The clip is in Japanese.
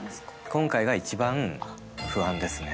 今回が一番、不安ですね。